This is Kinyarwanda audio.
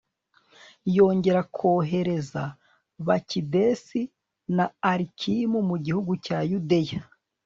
yongera kohereza bakidesi na alikimu mu gihugu cya yudeya